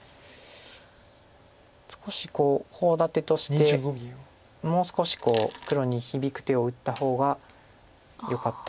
少しコウ立てとしてもう少し黒に響く手を打った方がよかったという。